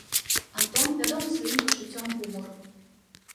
Антон вядомы сваім пачуццём гумару.